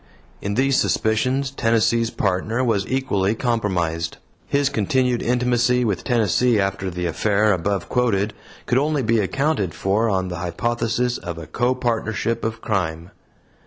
In these suspicions Tennessee's Partner was equally compromised; his continued intimacy with Tennessee after the affair above quoted could only be accounted for on the hypothesis of a copartnership of crime.